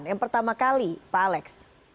yang pertama kali pak alex